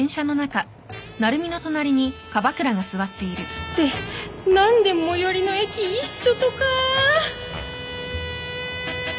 つって何で最寄りの駅一緒とかー！